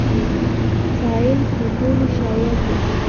سايل د ټولو شاعر دی.